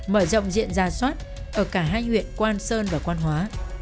mở rộng diện ra soát ở cả hai huyện quan sơn và quan hóa